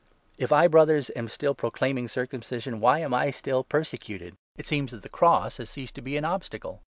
If I, Brothers, am still n proclaiming circumcision, whyam I still persecuted ? It seems that the Cross has ceased to be an obstacle